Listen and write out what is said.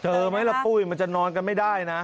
ไหมล่ะปุ้ยมันจะนอนกันไม่ได้นะ